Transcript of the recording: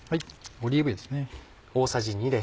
オリーブ油ですね。